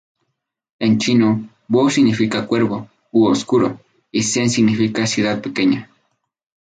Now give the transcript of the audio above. En chino, "wu" significa "cuervo" u "oscuro", y "zhen" significa ciudad pequeña.